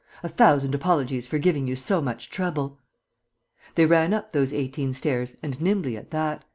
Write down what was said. A thousand apologies for giving you so much trouble!" They ran up those eighteen stairs and nimbly at that!